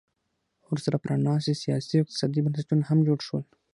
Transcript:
ورسره پرانیستي سیاسي او اقتصادي بنسټونه هم جوړ شول